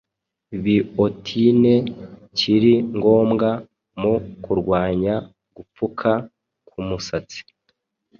biotine” kiri ngombwa mu kurwanya gupfuka k’umusatsi.